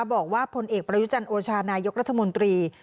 บอกว่าพลเอกประยุจันทร์โอชานายกรัฐมนตรี